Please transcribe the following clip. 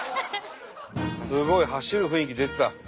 すごい走る雰囲気出てた。